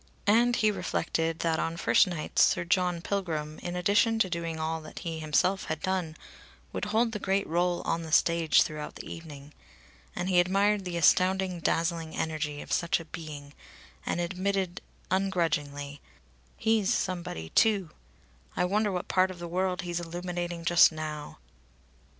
And he reflected that on first nights Sir John Pilgrim, in addition to doing all that he himself had done, would hold the great rôle on the stage throughout the evening. And he admired the astounding, dazzling energy of such a being, and admitted ungrudgingly: "He's somebody too! I wonder what part of the world he's illuminating just now!"